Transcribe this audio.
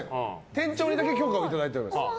店長にだけ許可をいただいております。